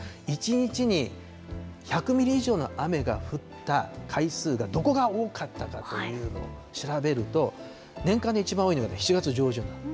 １日に１００ミリ以上の雨が降った回数がどこが多かったかというのを調べると、年間で一番多いのが７月上旬。